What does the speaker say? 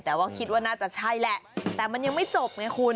แต่ว่าคิดว่าน่าจะใช่แหละแต่มันยังไม่จบไงคุณ